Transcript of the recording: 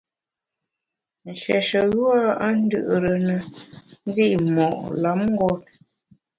Nshéshe yua a ndù’re ne ndi’ mo’ lamngôt.